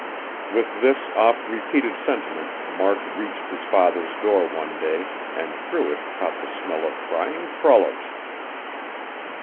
With this oft repeated sentiment Mark reached his father's door one day and through it caught the smell of frying crullers.